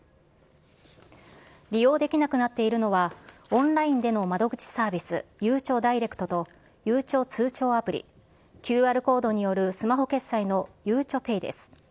利用できなくなっているのは、オンラインでの窓口サービス、ゆうちょダイレクトと、ゆうちょ通帳アプリ、ＱＲコードによるスマホ決済のゆうちょＰＡＹです。